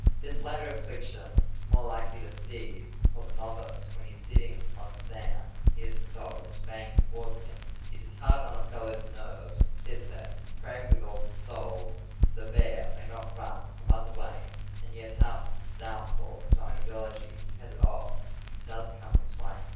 This latter affliction is more likely to seize upon the novice when he is sitting on a stand and hears the dogs baying toward him. It is hard on a fellow's nerves to sit there, praying with all his soul that the bear may not run some other way, and yet half doubt ful of his own ability to head it off if it does come his way.